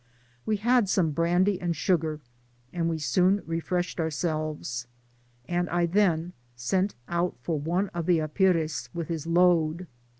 We had some brandy and sugar, and we soon refreshed ourselves, and I then sent out for one of the apires with his load.